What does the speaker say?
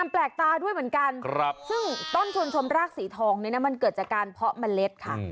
แปลกตาด้วยเหมือนกันซึ่งต้นทุนชมรากสีทองนี้นะมันเกิดจากการเพาะเมล็ดค่ะ